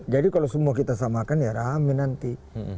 jadi kalau semua kita samakan ya rame nanti